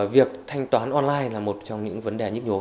việc thanh toán online là một trong những vấn đề nhức nhối